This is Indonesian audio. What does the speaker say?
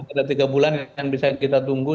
ada tiga bulan yang bisa kita tunggu